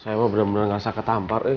saya mah benar benar gak saka tampar